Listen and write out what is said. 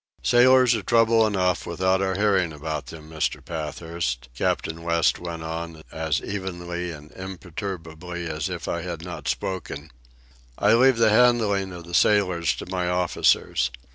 "Sailors are trouble enough without our hearing about them, Mr. Pathurst," Captain West went on, as evenly and imperturbably as if I had not spoken. "I leave the handling of the sailors to my officers.